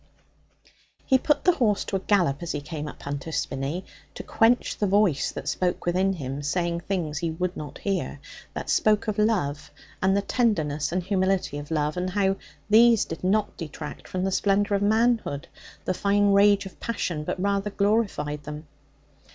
He put the horse to a gallop as he came up Hunter's Spinney, to quench the voice that spoke within him, saying things he would not hear, that spoke of love, and the tenderness and humility of love, and of how these did not detract from the splendour of manhood, the fine rage of passion, but rather glorified them.